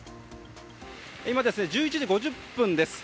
１１時５０分です。